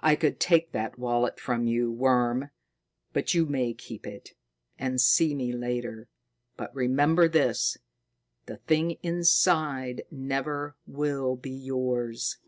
"I could take that wallet from you, worm, but you may keep it, and see me later. But remember this the thing inside never will be yours."